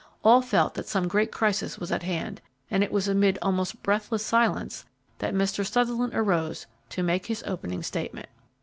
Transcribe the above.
All felt that some great crisis was at hand, and it was amid almost breathless silence that Mr. Sutherland arose to make his opening statement.